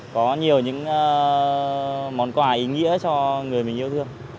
có nhiều những món quà ý nghĩa cho người mình yêu thương